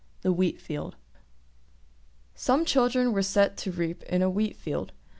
THE WHEAT FIELD Some children were set to reap in a wheat field.